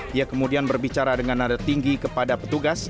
dia kemudian berbicara dengan nada tinggi kepada petugas